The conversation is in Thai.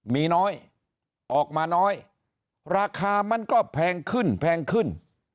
มีน้อยออกมาน้อยราคามันก็แพงขึ้นแพงขึ้น